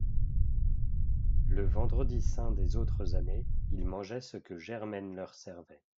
Le vendredi saint des autres années, ils mangeaient ce que Germaine leur servait.